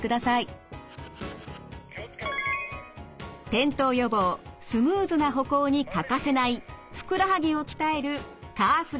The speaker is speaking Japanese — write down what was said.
転倒予防スムーズな歩行に欠かせないふくらはぎを鍛えるカーフレイズ。